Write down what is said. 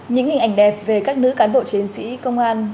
những hình ảnh đẹp về các nữ cán bộ chiến sĩ công an